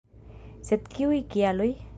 Sed kiuj kialoj?